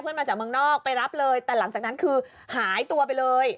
มาจากเมืองนอกไปรับเลยแต่หลังจากนั้นคือหายตัวไปเลย